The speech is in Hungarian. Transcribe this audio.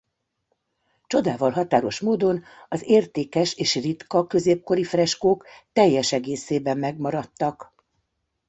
Csodával határos módon az értékes és ritka középkori freskók teljes egészében megmaradtak.